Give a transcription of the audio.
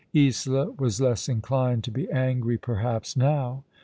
Isola was less inclined to be angry, perhaps, now.